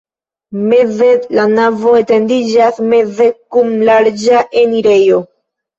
Meze la navo etendiĝas meze kun larĝa enirejo.